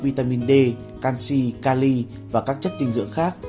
vitamin d canxi cali và các chất dinh dưỡng khác